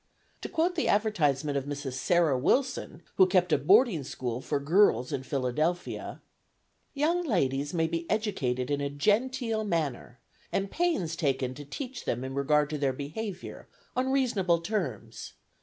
To quote the advertisement of Mrs. Sarah Wilson, who kept a boarding school for girls in Philadelphia: "Young ladies may be educated in a genteel manner, and pains taken to teach them in regard to their behaviour, on reasonable terms.